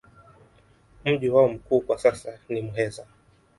Mji wao mkuu kwa sasa ni Muheza.